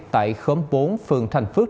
tại khóm bốn phường thành phước